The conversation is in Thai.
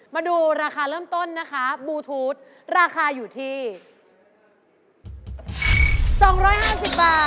มาดูราคาเริ่มต้นนะคะบลูทูธราคาอยู่ที่๒๕๐บาท